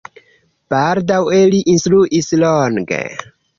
Baldaŭe li instruis longe.